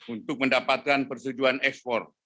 untuk mendapatkan persetujuan ekspor